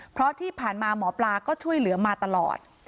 เพราะที่ผ่านมาหมอปลาก็ช่วยเหลือมาตลอด